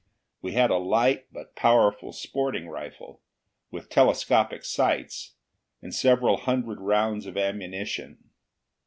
We had a light but powerful sporting rifle, with telescopic sights, and several hundred rounds of ammunition.